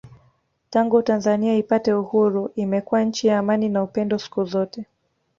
Tangu Tanzania ipate Uhuru imekuwa nchi ya amani na upendo siku zote